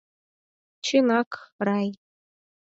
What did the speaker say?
Чынак, рай.